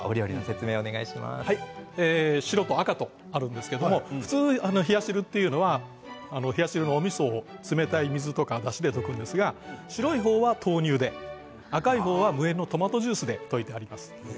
白と赤があるんですけど普通に冷や汁というのは冷や汁のおみそを冷たいお水やだしで溶くんですが白い方は豆乳で赤い方は無塩のトマトジュースで溶いてあります。